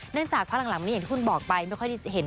เนื่องจากภาพหลังที่คุณบอกไปไม่ค่อยเห็น